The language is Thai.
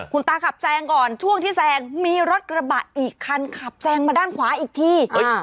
คุณตาขับแซงก่อนช่วงที่แซงมีรถกระบะอีกคันขับแซงมาด้านขวาอีกที